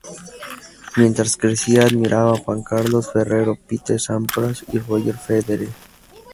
Mientras crecía admiraba a Juan Carlos Ferrero, Pete Sampras y Roger Federer.